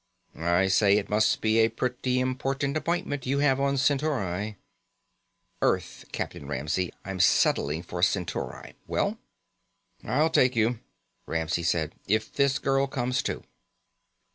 "I say it must be a pretty important appointment you have on Centauri." "Earth, Captain Ramsey. I'm settling for Centauri. Well?" "I'll take you," Ramsey said, "if this girl comes too."